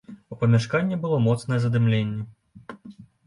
У памяшканні было моцнае задымленне.